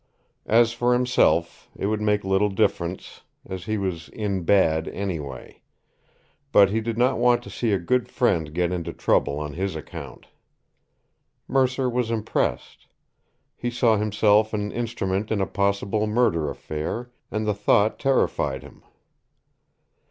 As for himself, it would make little difference, as he was "in bad" anyway. But he did not want to see a good friend get into trouble on his account. Mercer was impressed. He saw himself an instrument in a possible murder affair, and the thought terrified him.